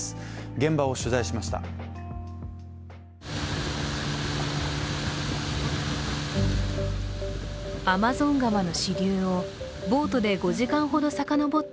現場を取材しました。